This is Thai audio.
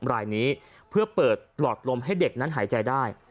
รายนี้เพื่อเปิดหลอดลมให้เด็กนั้นหายใจได้